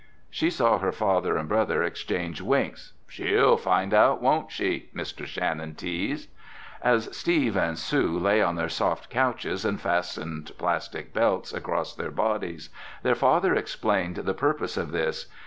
She saw her father and brother exchange winks. "She'll find out, won't she?" Mr. Shannon teased. As Steve and Sue lay on their soft couches and fastened plastic belts across their bodies, their father explained the purpose of this.